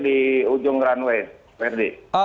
di ujung runway ferdie